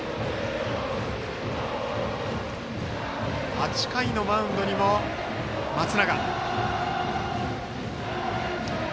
８回のマウンドにも、松永。